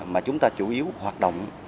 mà chúng ta chủ yếu hoạt động